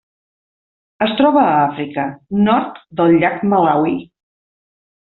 Es troba a Àfrica: nord del llac Malawi.